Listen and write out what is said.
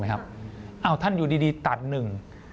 ท่านอยู่ดีตัดหนึ่ง